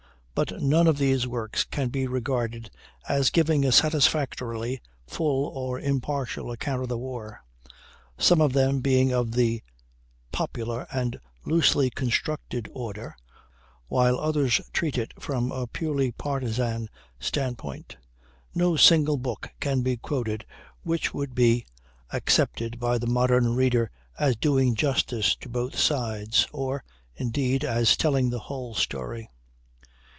But none of these works can be regarded as giving a satisfactorily full or impartial account of the war some of them being of he "popular" and loosely constructed order, while others treat it from a purely partisan standpoint. No single book can be quoted which would be accepted by the modern reader as doing justice to both sides, or, indeed, as telling the whole story.